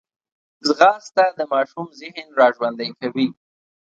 ځغاسته د ماشوم ذهن راژوندی کوي